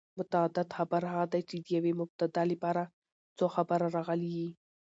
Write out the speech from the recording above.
متعدد خبر هغه دئ، چي د یوې مبتداء له پاره څو خبره راغلي يي.